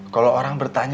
kalau orang bertanya